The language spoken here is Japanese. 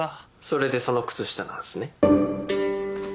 それでその靴下なんすね。